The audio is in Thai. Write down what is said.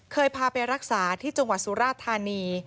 เคยพาไปรักษาที่จังหวัดสุราธานี